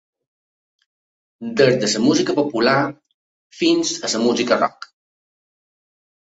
Des de la música popular fins a la música rock.